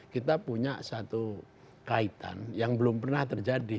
kita punya satu kaitan yang belum pernah terjadi